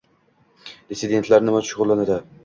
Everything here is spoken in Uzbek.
Dissidentlar nima bilan shug‘ullanadi